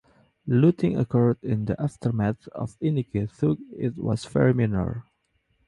Looting occurred in the aftermath of Iniki, though it was very minor.